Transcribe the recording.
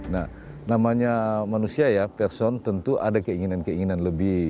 nah namanya manusia ya person tentu ada keinginan keinginan lebih